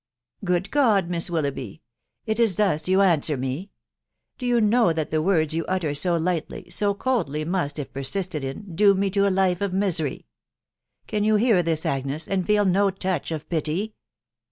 *' u Good God ! Miss Willoughby, .... is it thus you answer me ?.... Do you know that the words you utter so lightly,, so coldly, must, if persisted in, doom me to a life of misery ? Can you hear this, Agnes, and feel no touch of pity